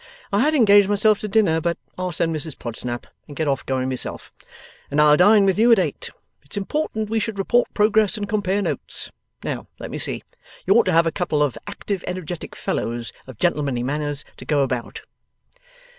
I had engaged myself to dinner, but I'll send Mrs Podsnap and get off going myself; and I'll dine with you at eight. It's important we should report progress and compare notes. Now, let me see. You ought to have a couple of active energetic fellows, of gentlemanly manners, to go about.